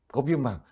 có viêm mạng